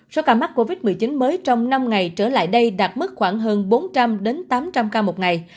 số ca mắc covid một mươi chín mới trong năm ngày trở lại đây đạt mức khoảng hơn bốn trăm linh tám trăm linh ca một ngày